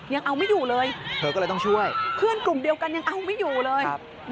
ยังเอาไม่อยู่เลยเพื่อนกลุ่มเดียวกันยังเอาไม่อยู่เลย